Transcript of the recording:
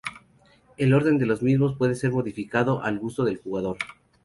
El orden de los mismos puede ser modificado al gusto del jugador.